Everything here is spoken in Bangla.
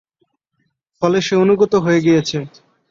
ফলে সে অনুগত হয়ে গিয়েছে।